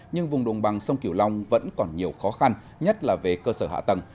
nhưng vùng đồng bằng sông kiểu long vẫn còn nhiều khó khăn nhất là về cơ sở hạ tầng